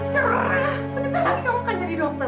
cerah sebentar lagi kamu kan jadi dokter